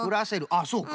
あっそうか。